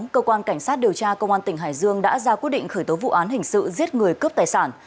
cơ quan cảnh sát điều tra công an tỉnh hải dương đã ra quyết định khởi tố vụ án hình sự giết người cướp tài sản